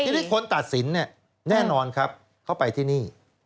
ทีนี้คนตัดสินเนี่ยแน่นอนครับเขาไปที่นี่